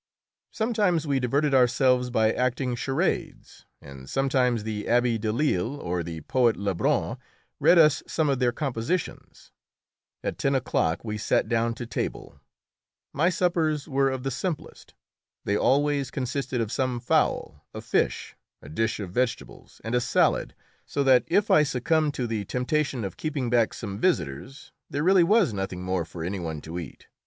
Sometimes we diverted ourselves by acting charades, and sometimes the Abbé Delille or the poet Lebrun read us some of their compositions. At ten o'clock we sat down to table. My suppers were of the simplest. They always consisted of some fowl, a fish, a dish of vegetables, and a salad, so that if I succumbed to the temptation of keeping back some visitors there really was nothing more for any one to eat.